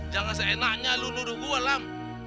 jangan seenaknya lo nuduh gua lam